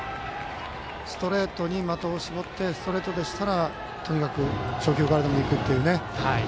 ストレートに的を絞ってストレートでしたらとにかく初球から行くという。